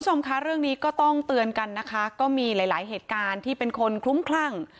คุณผู้ชมคะเรื่องนี้ก็ต้องเตือนกันนะคะก็มีหลายหลายเหตุการณ์ที่เป็นคนคลุ้มคลั่ง